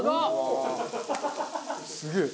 すげえ！